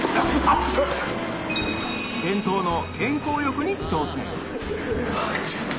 伝統の健康浴に挑戦